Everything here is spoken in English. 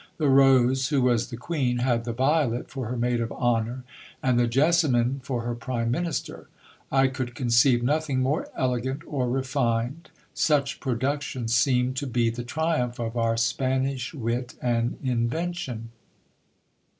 The Rose, who was the queen, had the Violet for her maid of honour, and the Jessamin for her prime minister. I could conceive nothing more elegant or refined : such productions seemed to be the triumph of our Spanish wit and invention.